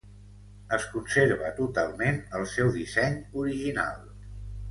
Es conserva totalment el seu disseny original.